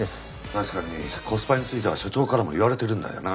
確かにコスパについては署長からも言われてるんだよな。